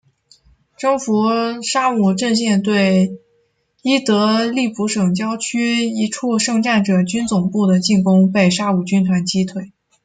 征服沙姆阵线对伊德利卜省郊区一处圣战者军总部的进攻被沙姆军团击退。